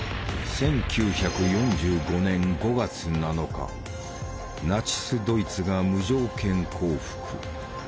１９４５年５月７日ナチス・ドイツが無条件降伏。